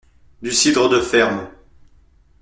Du cidre de ferme.